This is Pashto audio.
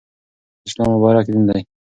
اسلام مبارک دین دی.